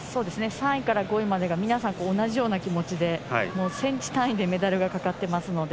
３位から５位までが皆さん、同じような気持ちでセンチ単位でメダルがかかってますので。